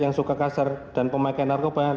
yang suka kasar dan pemakaian narkoba